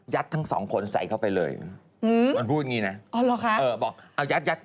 แต่ตัวฝ่ายคุณกระแมนี่เขาโอเคด้วยไหมคะ